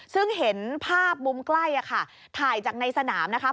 ซึ่งเห็นภาพมุมใกล้ค่ะถ่ายจากในสนามนะคะ